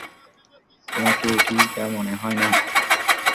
তোমার কি একই টা মনে হয় না?